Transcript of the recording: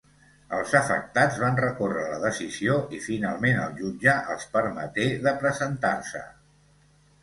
Els afectats van recórrer la decisió i finalment el jutge els permeté de presentar-se.